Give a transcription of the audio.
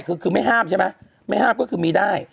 คือคือไม่ห้ามใช่ไหมไม่ห้ามก็คือมีได้